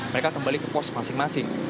mereka kembali ke pos masing masing